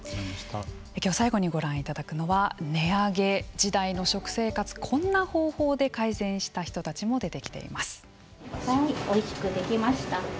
今日、最後にご覧いただくのは値上げ時代の食生活こんな方法で改善した人たちも出てきています。